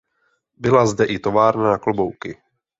Byla zde i továrna na klobouky.